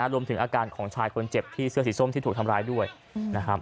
รวมถึงอาการของชายคนเจ็บที่เสื้อสีส้มที่ถูกทำร้ายด้วยนะครับ